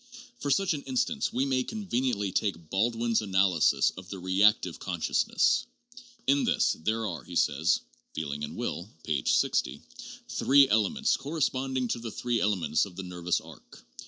For such an instance we may conveniently take Baldwin's analysis of the reactive consciousness. In this there are, he says (Feel ing and Will, p. 60), "three elements corresponding to the three elements of the nervous arc.